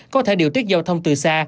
có thể điều tiết giao thông từ xa